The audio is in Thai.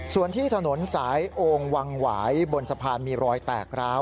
ส่วนที่ถนนสายโองวังหวายบนสะพานมีรอยแตกร้าว